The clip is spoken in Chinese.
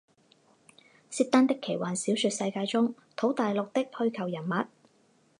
瑟丹的奇幻小说世界中土大陆的虚构人物。